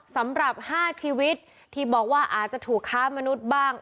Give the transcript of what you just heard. สำหรับ๕ชีวิตที่บอกว่าอาจจะถูกค้ามนุษย์บ้าง